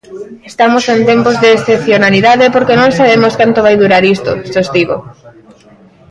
Estamos en tempos de excepcionalidade porque non sabemos canto vai durar isto, sostivo.